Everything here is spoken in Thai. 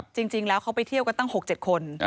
จริงแล้วเขาไปเที่ยวกันตั้ง๖๗คน